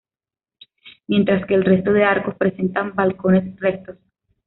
Mientras que el resto de arcos presentan balcones rectos.